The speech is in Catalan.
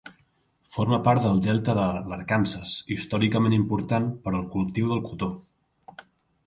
Forma part del delta de l'Arkansas, històricament important per al cultiu del cotó.